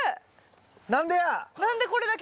何でや？